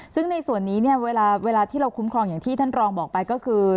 ซึ่งในส่วนนี้เนี่ยเวลาที่เราคุ้มครองอย่างที่ท่านรองบอกไปก็คือ